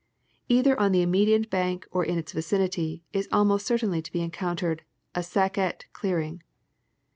Either on the immediate bank or in its vicinity is almost cer tain to be encountered a " saccate " clearing.